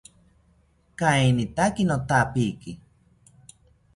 Kainitaki nothapiki